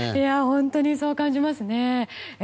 本当にそう感じますね。